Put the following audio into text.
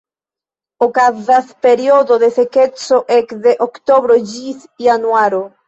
Okazas periodo de sekeco ekde oktobro ĝis januaro.